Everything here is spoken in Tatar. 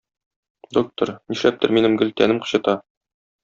Доктор, нишләптер минем гел тәнем кычыта.